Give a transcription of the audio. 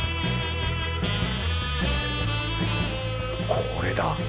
これだ。